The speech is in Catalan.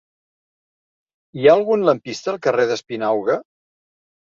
Hi ha algun lampista al carrer d'Espinauga?